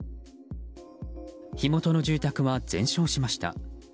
火元の住宅は全焼しました。